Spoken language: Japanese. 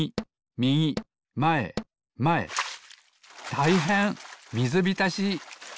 たいへんみずびたし！